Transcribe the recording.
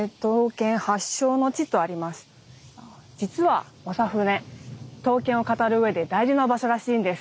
実は長船刀剣を語るうえで大事な場所らしいんです。